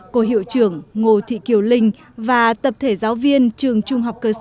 cô hiệu trưởng ngô thị kiều linh và tập thể giáo viên trường trung học cơ sở lê lợi